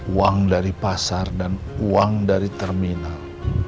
uang dari pasar dan uang dari terminal